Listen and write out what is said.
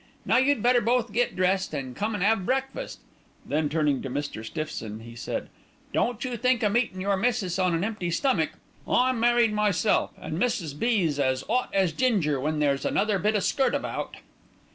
Now you'd better both get dressed an' come an' 'ave breakfast." Then turning to Mr. Stiffson he said, "Don't you think o' meetin' your missis on an empty stomach. I'm married myself, an' Mrs. B.'s as 'ot as ginger when there's another bit o' skirt about."